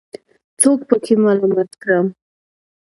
څوک پکې ملامت کړم.